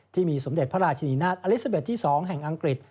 สมเด็จพระราชินีนาฏอลิซาเบสที่๒แห่งอังกฤษ